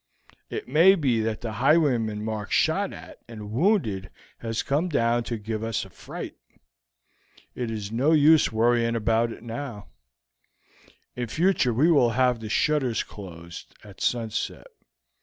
It may be that the highwayman Mark shot at and wounded has come down to give us a fright. It is no use worrying about it now; in future we will have the shutters closed at sunset.